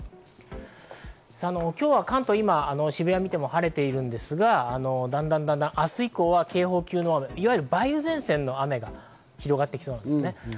今日は関東、今は渋谷を見ても晴れているんですが、だんだんと明日以降は警報級のいわゆる、梅雨前線の雨が広がってきそうなんですね。